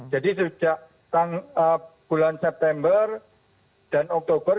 jadi sejak bulan september dan oktober